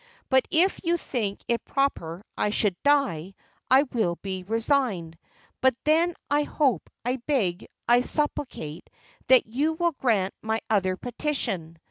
But if you think it proper I should die, I will be resigned; but then I hope, I beg, I supplicate, that you will grant my other petition.